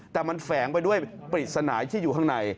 แต่มันแฝงไปด้วยปริศนาที่อยู่ข้างใน